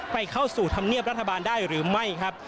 เข้าสู่ธรรมเนียบรัฐบาลได้หรือไม่ครับ